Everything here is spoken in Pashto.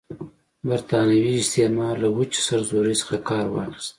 برټانوي استعمار له وچې سرزورۍ څخه کار واخیست.